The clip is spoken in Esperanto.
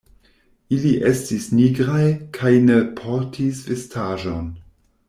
Ili estis nigraj, kaj ne portis vestaĵon.